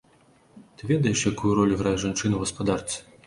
Ты ведаеш, якую ролю грае жанчына ў гаспадарцы?